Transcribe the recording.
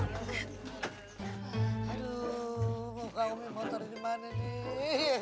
aduh muka umi motornya dimana nih